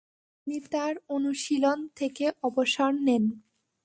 তিনি তার অনুশীলন থেকে অবসর নেন।